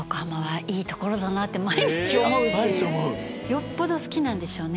よっぽど好きなんでしょうね。